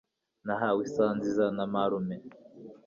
Nahawe isaha nziza na marume.